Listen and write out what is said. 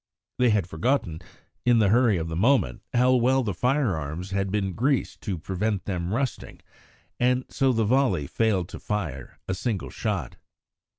They had forgotten, in the hurry of the moment, how well the firearms had been greased to prevent them rusting, and so the volley failed to fire a single shot.